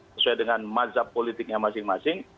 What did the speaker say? sesuai dengan mazhab politiknya masing masing